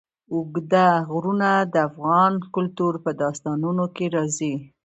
اوږده غرونه د افغان کلتور په داستانونو کې راځي.